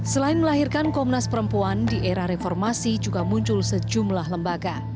selain melahirkan komnas perempuan di era reformasi juga muncul sejumlah lembaga